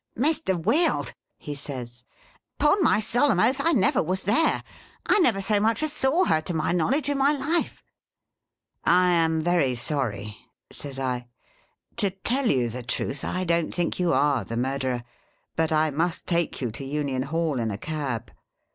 Mr. Wield,' he says, ' upon my solemn oath I never was there. I never so much as saw her, to my knowledge, in my life !' 'I am very sorry,' says I. ' To tell you the truth ; I don't think you are the murderer, but I must take you to Union Hall in a cab.